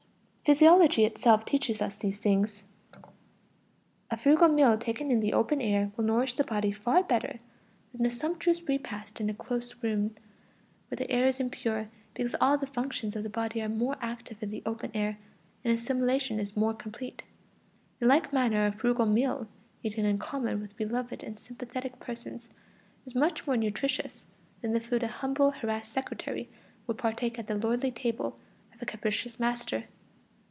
Physiology itself teaches us these things. A frugal meal taken in the open air will nourish the body far better than a sumptuous repast in a close room, where the air is impure, because all the functions of the body are more active in the open air, and assimilation is more complete. In like manner a frugal meal eaten in common with beloved and sympathetic persons is much more nutritious than the food a humble, harassed secretary would partake at the lordly table of a capricious master.